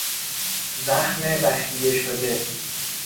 زخم بخیه شده